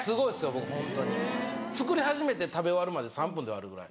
僕ホントに作り始めて食べ終わるまで３分で終わるぐらい。